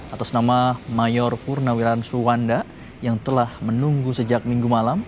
atas nama mayor purnawiran suwanda yang telah menunggu sejak minggu malam